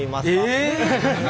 え！